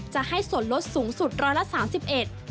จะให้ส่วนลดสูงสุด๑๓๑บาท